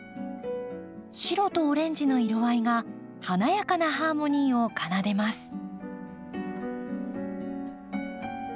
白とオレンジの色合いが華やかなハーモニーを奏でます。